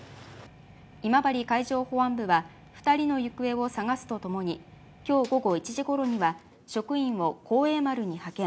今治海上保安部は、２人の行方を捜すとともに、きょう午後１時ごろには、職員を幸栄丸に派遣。